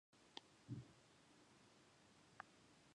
Chambers is mentioned in books about his management and leadership style.